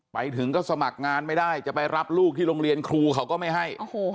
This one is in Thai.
ไปถึงก็สมัครงานไม่ได้จะไปรับลูกที่โรงเรียนครูเขาก็ไม่ให้